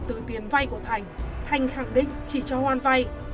từ tiền vay của thành thành khẳng định chỉ cho hoan vay